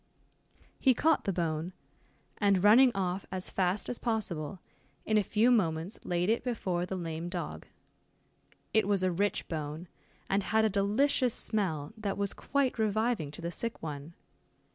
He caught the bone, and running off as fast as possible, in a few moments laid it before the lame dog. It was a rich bone, and had a delicious smell that was quite reviving to the sick one.